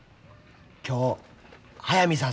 今日速水さん